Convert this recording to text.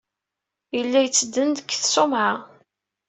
Llan tteddnen-d seg tṣumɛa.